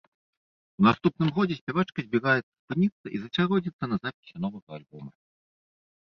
У наступным годзе спявачка збіраецца спыніцца і засяродзіцца на запісе новага альбома.